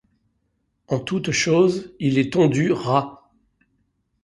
En toute chose, il est tondu ras.